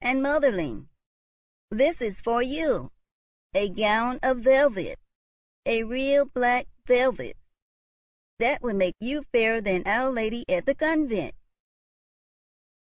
And, motherling, this is for you, a gown of velvet, a real black velvet, that will make you fairer than our Lady at the Convent.